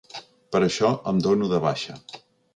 Però això em dono de baixa.